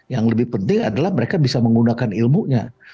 yang lebih penting adalah mereka bisa menggunakan ilmunya